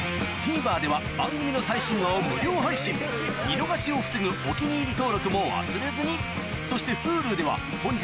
ＴＶｅｒでは番組の最新話を無料配信見逃しを防ぐ「お気に入り」登録も忘れずにそしてＨｕｌｕでは本日の放送も過去の放送も配信中